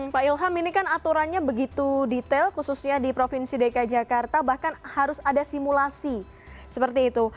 pak ilham ini kan aturannya begitu detail khususnya di provinsi dki jakarta bahkan harus ada simulasi seperti itu